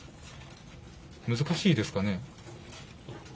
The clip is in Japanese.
難しいですかね。